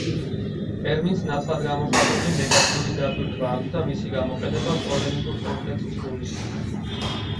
ტერმინს ნათლად გამოხატული ნეგატიური დატვირთვა აქვს და მისი გამოყენება პოლემიკურ კონტექსტს გულისხმობს.